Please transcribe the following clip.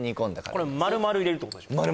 これ丸々入れるってことでしょ？